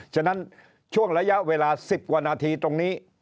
ฉะนั้นช่วงระยะเวลา๑๐กว่านาทีตรงนี้